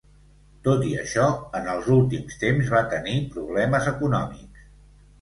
Tot i això, en els últims temps va tenir problemes econòmics.